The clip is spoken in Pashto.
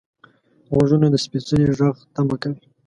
غوږونه د سپیڅلي غږ تمه کوي